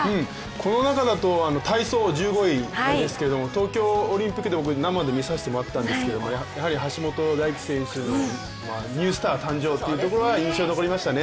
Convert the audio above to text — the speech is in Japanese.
この中だと体操１５位ですけど東京オリンピックで生で見させていただいたんですが、やはり橋本大輝選手はニュースター誕生というところが印象に残りましたね。